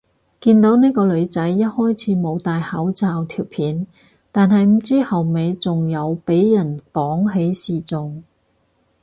見到呢個女仔一開始冇戴口罩條片，但係唔知後尾仲有俾人綁起示眾